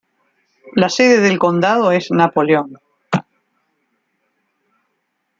La sede del condado es Napoleon.